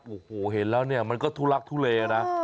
โอ้โหเห็นแล้วเนี่ยมันก็ทุลักทุเลนะ